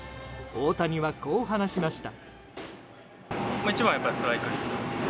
大谷はこう話しました。